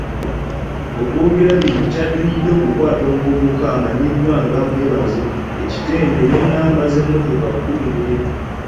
Okwogera bino kyadiridde okukwata omuvubuka amanyiddwa nga Mwebaza e Kitenda n'ennamba z'emmotoka kkumi n'emu.